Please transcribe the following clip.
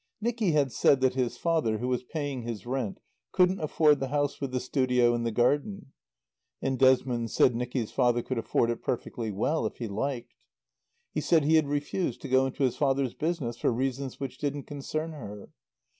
Nicky had said that his father, who was paying his rent, couldn't afford the house with the studio in the garden; and Desmond said Nicky's father could afford it perfectly well if he liked. He said he had refused to go into his father's business for reasons which didn't concern her.